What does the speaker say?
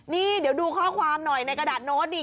นี่เดี๋ยวดูข้อความหน่อยในกระดาษโน้ตนี่